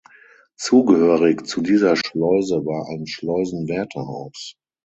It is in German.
Zugehörig zu dieser Schleuse war ein Schleusenwärterhaus.